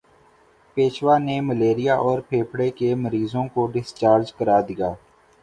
پیشوا نے ملیریا اور پھیپھڑے کے مریضوں کو ڈسچارج کرا دیا